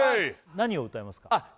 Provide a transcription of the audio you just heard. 何を歌いますか？